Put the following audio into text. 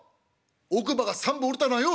奥歯が３本折れたのはよ」。